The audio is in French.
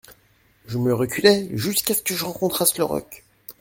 Je me reculai jusqu'à ce que je rencontrasse le roc.